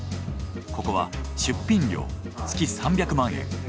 ここは出品料月３００万円。